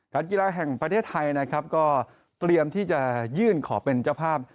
กีฬาแห่งประเทศไทยนะครับก็เตรียมที่จะยื่นขอเป็นเจ้าภาพ